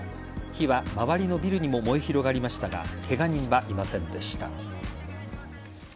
火は周りのビルにも燃え広がりましたがケガ人はいませんでした。